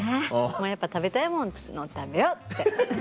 やっぱ食べたいもの食べようって。